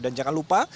dan jangan lupa